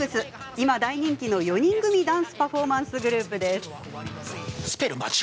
今、大人気の４人組ダンスパフォーマンスグループです。